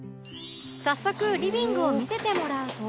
早速リビングを見せてもらうと